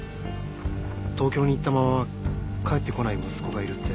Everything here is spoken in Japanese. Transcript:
東京に行ったまま帰ってこない息子がいるって。